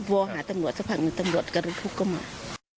วอหาตำวดสะพังหนึ่งตำวดกระดูกพุกก็หมด